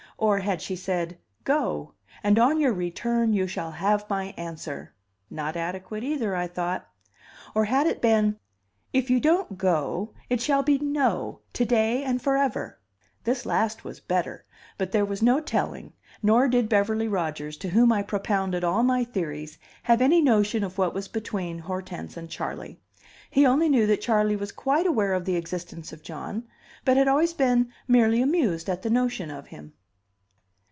Or had she said, Go, and on your return you shall have my answer? Not adequate either, I thought. Or had it been, If you don't go, it shall be "no," to day and forever? This last was better; but there was no telling, nor did Beverly Rodgers, to whom I propounded all my theories, have any notion of what was between Hortense and Charley. He only knew that Charley was quite aware of the existence of John, but had always been merely amused at the notion of him.